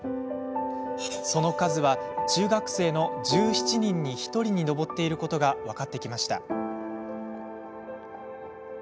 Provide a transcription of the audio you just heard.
その数は、中学生の１７人に１人に上っていることが分かってきました。